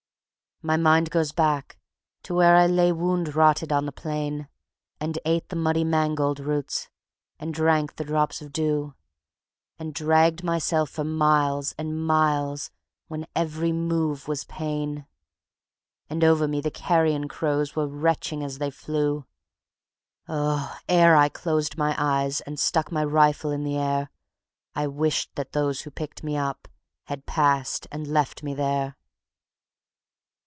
_My mind goes back to where I lay wound rotted on the plain, And ate the muddy mangold roots, and drank the drops of dew, And dragged myself for miles and miles when every move was pain, And over me the carrion crows were retching as they flew. Oh, ere I closed my eyes and stuck my rifle in the air I wish that those who picked me up had passed and left me there.